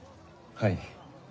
はい。